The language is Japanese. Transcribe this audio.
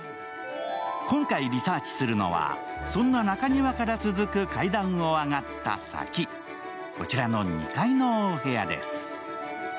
今回リサーチするのはそんな中庭から続く階段を上がった先、こちらの２階のお部屋です。